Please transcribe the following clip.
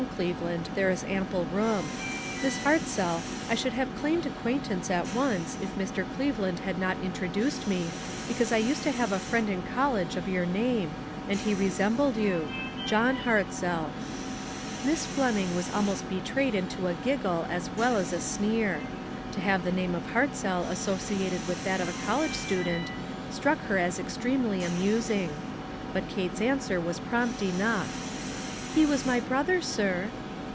95 Cleveland , there h ample room. Mi>* Ilarfc zoll, I should have claimed acquaintance at once, if Mr. Cleveland had not introduced me, because I used to have a friend in college of your name, and he resembled you — John Hartzell." Miss Fleming was almost betrayed into a giggle as well as a sneer. To have the name of Hartzell associated with that of a college student struck her as extremely amusing. But Kate's answer was prompt enough :" lie was my brother, sir."